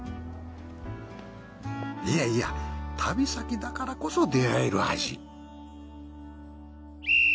いやいや旅先だからこそ出会える味。